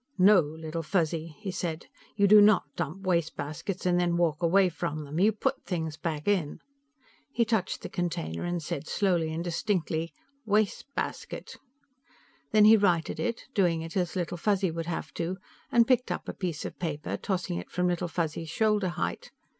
"No, Little Fuzzy," he said. "You do not dump wastebaskets and then walk away from them. You put things back in." He touched the container and said, slowly and distinctly, "Waste ... basket." Then he righted it, doing it as Little Fuzzy would have to, and picked up a piece of paper, tossing it in from Little Fuzzy's shoulder height.